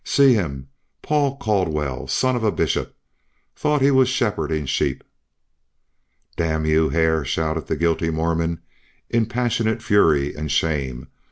See him! Paul Caldwell! Son of a Bishop! Thought he was shepherdin' sheep?" "D n you, Hare!" shouted the guilty Mormon, in passionate fury and shame.